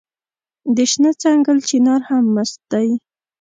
د شنه ځنګل چنار هم مست دی